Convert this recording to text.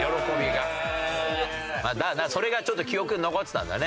それがちょっと記憶に残ってたんだね。